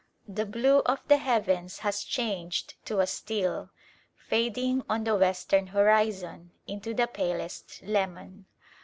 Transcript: The blue of the heavens has changed to a steel, fading on the western horizon into the palest lemon.